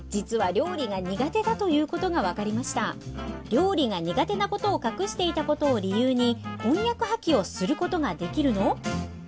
料理が苦手なことを隠していたことを理由に婚約破棄をすることができるの？